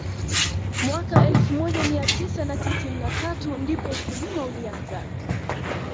Mwaka elfu moja mia tisa na tisini na tatu ndipo ukulima ulianza